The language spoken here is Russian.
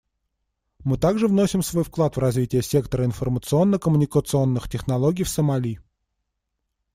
Мы также вносим свой вклад в развитие сектора информационно-коммуникационных технологий в Сомали.